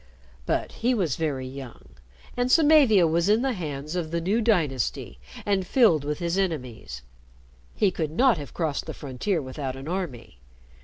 "But he was very young, and Samavia was in the hands of the new dynasty, and filled with his enemies. He could not have crossed the frontier without an army.